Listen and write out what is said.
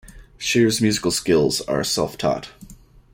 Shear's musical skills are self-taught.